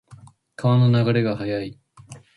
川の流れが速い。